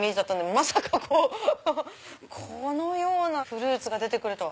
まさかこのようなフルーツが出て来るとは。